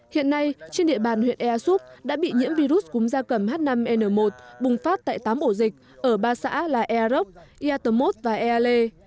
hiện nay trên địa bàn huyện ea súc đã bị nhiễm virus cúm gia cầm h năm n một bùng phát tại tám bộ dịch ở ba xã là ea rốc ea tâm mốt và ea lê